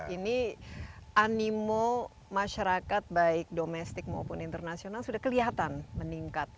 ini animo masyarakat baik domestik maupun internasional sudah kelihatan meningkat